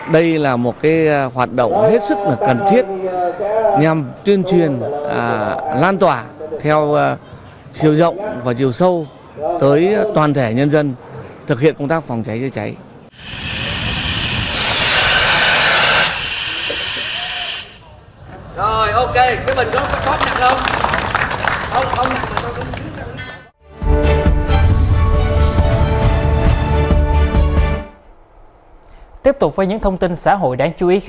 đây là một hoạt động hết sức cần thiết nhằm tuyên truyền lan tỏa theo chiều rộng và chiều sâu tới toàn thể nhân dân thực hiện công tác phòng cháy chữa cháy